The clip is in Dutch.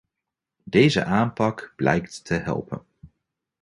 Deze aanpak blijkt te helpen.